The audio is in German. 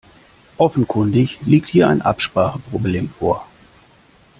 Offenkundig liegt hier ein Abspracheproblem vor.